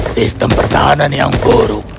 sistem pertahanan yang buruk